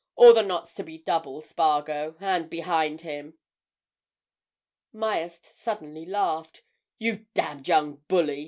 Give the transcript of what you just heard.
All the knots to be double, Spargo, and behind him." Myerst suddenly laughed. "You damned young bully!"